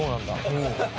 うん。